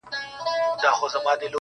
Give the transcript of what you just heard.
راهب په کليسا کي مردار ښه دی، مندر نسته